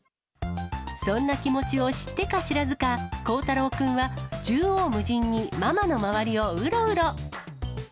そんな気持ちを知ってか知らずか、こうたろうくんは縦横無尽にママの周りをうろうろ。